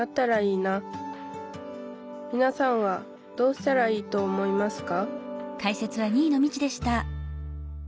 みなさんはどうしたらいいと思いますか？